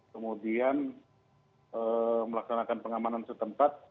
kemudian melaksanakan pengamanan setempat